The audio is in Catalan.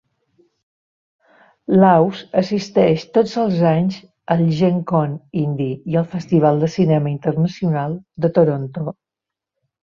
Laws assisteix tots els anys al Gen Con Indy i al Festival de cinema internacional de Toronto.